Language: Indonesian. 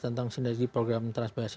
tentang sinergi program transmigrasi